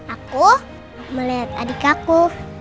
aku melihat adik aku